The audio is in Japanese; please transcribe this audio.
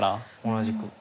同じく。